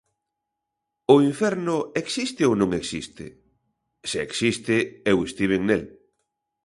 O inferno existe ou non existe? Se existe, eu estiven nel.